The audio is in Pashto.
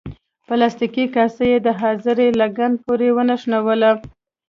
پلاستیکي کاسه یې د خاصرې لګن پورې ونښلوله.